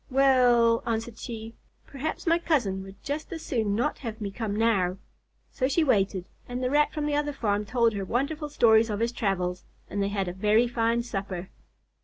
"W well," answered she, "perhaps my cousin would just as soon not have me come now." So she waited, and the Rat from the other farm told her wonderful stories of his travels, and they had a very fine supper.